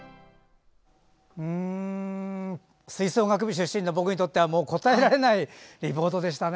吹奏楽部出身の僕にとってはこたえられないリポートでしたね。